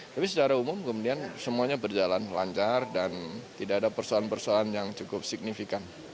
tapi secara umum kemudian semuanya berjalan lancar dan tidak ada persoalan persoalan yang cukup signifikan